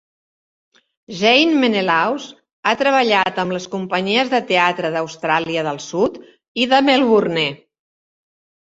Jane Menelaus ha treballat amb les companyies de teatre d'Austràlia del Sud i de Melbourne.